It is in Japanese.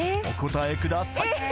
お答えください